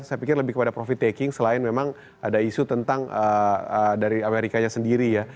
tapi kepada profit taking selain memang ada isu tentang dari amerikanya sendiri ya